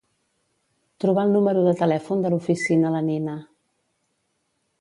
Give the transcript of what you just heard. Trobar el número de telèfon de l'oficina la Nina.